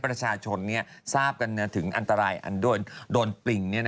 ประชาชนเนี่ยทราบกันนะถึงอันตรายอันด้วยโดนปริ๋งเนี้ยนะ